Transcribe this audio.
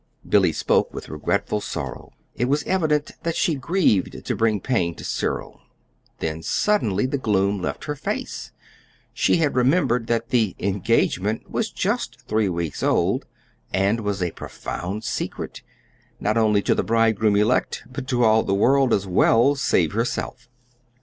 Billy spoke with regretful sorrow. It was evident that she grieved to bring pain to Cyril. Then suddenly the gloom left her face: she had remembered that the "engagement" was just three weeks old and was a profound secret, not only to the bridegroom elect, but to all the world as well save herself!